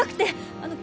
あの。